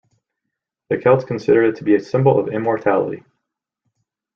The Celts considered it to be a symbol of immortality.